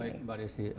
baik mbak rizky